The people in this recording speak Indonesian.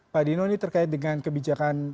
pak dino ini terkait dengan kebijakan